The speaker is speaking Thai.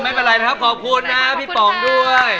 ไม่เป็นไรนะครับขอบคุณนะพี่ป๋องด้วย